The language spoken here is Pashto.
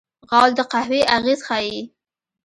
غول د قهوې اغېز ښيي.